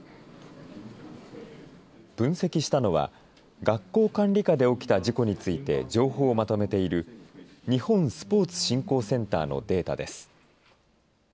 分析したのは学校管理下で起きた事故について情報をまとめている日本スポーツ振興センターのデータです。